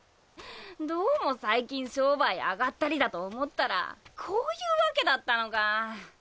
どうも最近商売あがったりだと思ったらこゆワケだったのかぁ。